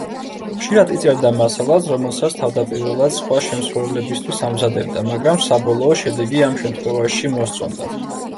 ხშირად იწერდა მასალას, რომელსაც თავდაპირველად სხვა შემსრულებლებისთვის ამზადებდა, მაგრამ საბოლოო შედეგი ამ შემთხვევაში მოსწონდა.